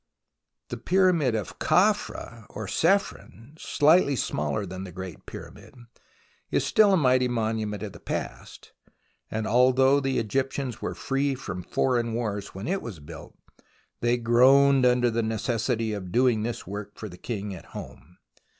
The Pyramid of Khafra or Chephren, slightly smaller than the Great Pyramid, is still a mighty monument of the past, and although the Egyptians were free from foreign wars when it was built, they groaned under the necessity of doing this work for the king at home.